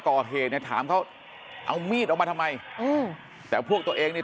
ก่อเหตุเนี่ยถามเขาเอามีดออกมาทำไมอืมแต่พวกตัวเองเนี่ย